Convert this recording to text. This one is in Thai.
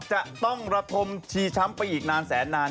จะต้องระทมชีช้ำไปอีกนานแสนนาน